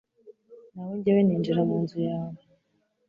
Naho jyewe ninjira mu nzu yawe